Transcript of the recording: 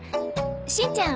しんちゃん